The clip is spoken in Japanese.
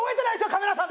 カメラさん！